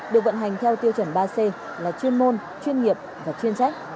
được vận hành theo tiêu chuẩn ba c là chuyên môn chuyên nghiệp và chuyên trách